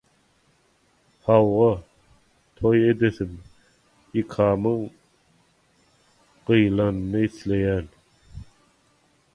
Hawa, toý edesim, nikamyň gyýylanyny isleýän.